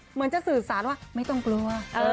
เหมือนจะสื่อสารว่าไม่ต้องกลัว